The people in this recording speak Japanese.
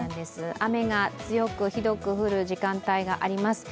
雨が強く、ひどく降る時間帯があります。